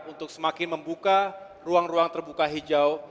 untuk semakin membuka ruang ruang terbuka hijau